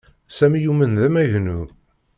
Sami yuman d amagnu